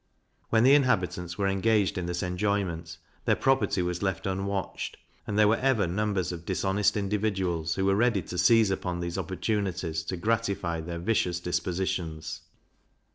When the inhabitants were engaged in this enjoyment, their property was left unwatched, and there were ever numbers of dishonest individuals who were ready to seize upon these opportunities to gratify their vicious dispositions.